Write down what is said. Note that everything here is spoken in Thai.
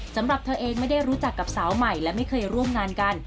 สำหรับเธอเองไม่ได้รู้จักกับสาวใหม่และไม่เคยร่วมงานกัน